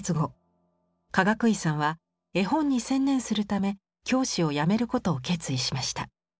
くいさんは絵本に専念するため教師を辞めることを決意しました。